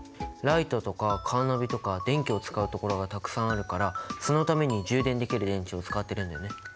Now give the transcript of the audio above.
ライトとかカーナビとか電気を使うところがたくさんあるからそのために充電できる電池を使ってるんだよね。